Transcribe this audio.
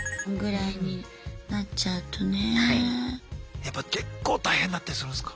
やっぱ結構大変だったりするんすか？